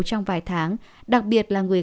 trong vài tháng đặc biệt là người